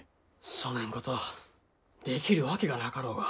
そねんことできるわけがなかろうが。